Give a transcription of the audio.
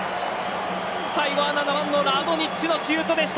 最後は７番のラドニッチのシュートでした。